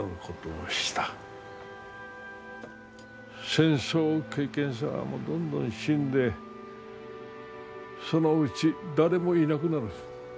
戦争経験者もどんどん死んでそのうち誰もいなくなる。